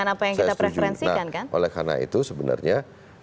nah oleh karena itu sebenarnya